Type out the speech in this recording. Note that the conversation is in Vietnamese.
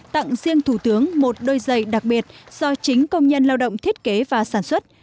tặng riêng thủ tướng một đôi giày đặc biệt do chính công nhân lao động thiết kế và sản xuất